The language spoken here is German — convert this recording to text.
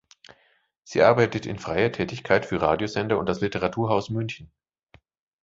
Sie arbeitet in freier Tätigkeit für Radiosender und das Literaturhaus München.